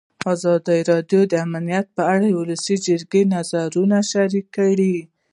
ازادي راډیو د امنیت په اړه د ولسي جرګې نظرونه شریک کړي.